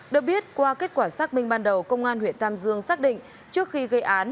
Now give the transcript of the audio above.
được biết qua kết quả xác minh ban đầu công an huyện tam dương xác định trước khi gây án